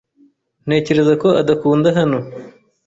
Ntekereza ko adakunda hano.